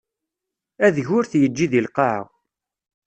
Adeg ur t-yeǧǧi di lqaɛa.